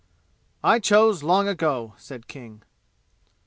"I chose long ago," said King.